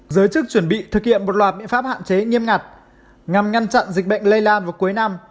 giới chức chuẩn bị thực hiện một loạt biện pháp hạn chế nghiêm ngặt nhằm ngăn chặn dịch bệnh lây lan vào cuối năm